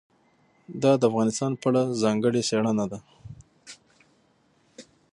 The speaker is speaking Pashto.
دا د افغانستان په اړه ځانګړې څېړنه ده.